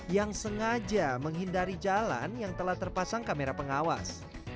yang sengaja menghindari jalan yang telah terpasang kamera pengawas